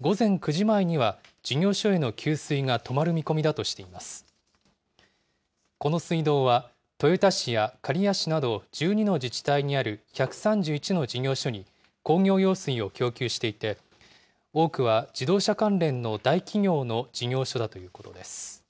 この水道は、豊田市や刈谷市など１２の自治体にある１３１の事業所に工業用水を供給していて、多くは自動車関連の大企業の事業所だということです。